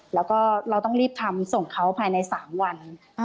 แล้วก็เราต้องรีบทำส่งเขาภายใน๓วัน